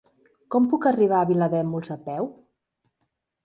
Com puc arribar a Vilademuls a peu?